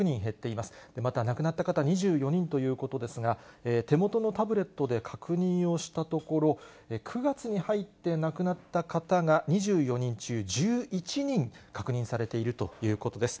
また亡くなった方２４人ということですが、手元のタブレットで確認をしたところ、９月に入って亡くなった方が、２４人中１１人確認されているということです。